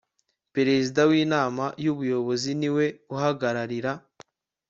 perezida w inama y ubuyobozi niwe uhagararira